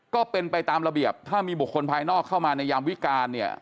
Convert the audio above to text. ก็เป็นไปตามระเบียบถ้ามีบุคคลภายนอกเข้ามาในยามวิการเนี่ย